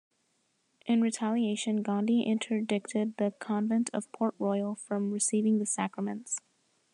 In retaliation, Gondi interdicted the convent of Port Royal from receiving the Sacraments.